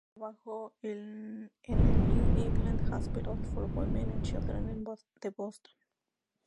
Trabajó en el New England Hospital for Women and Children de Boston.